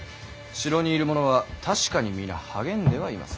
城にいる者は確かに皆励んではいます。